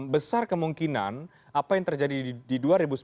besar kemungkinan apa yang terjadi di dua ribu sembilan belas